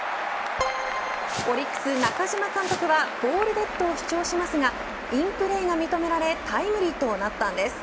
オリックス中嶋監督はボールデッドを主張しますがインプレーが認められタイムリーとなったんです。